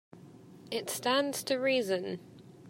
It stands to reason.